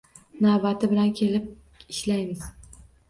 Navbati bilan kelib ishlaymiz